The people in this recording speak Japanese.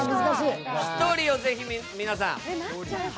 １人をぜひ皆さん。